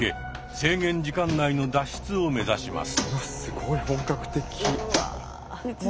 制限時間内の脱出を目指します。